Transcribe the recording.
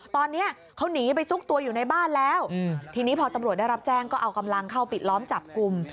ตอนนี้เขาหนีไปซุกตัวอยู่ในบ้านแล้วทีนี้พอตำรวจได้รับแจ้งก็เอากำลังเข้าปิดล้อมจับกลุ่ม